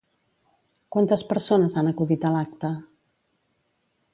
Quantes persones han acudit a l'acte?